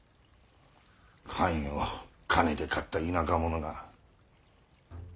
官位を金で買った田舎者が。